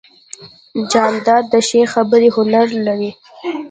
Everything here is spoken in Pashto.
جانداد د ښې خبرې هنر لري.